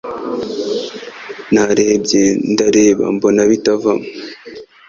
Narebye ndareba mbona bitavamo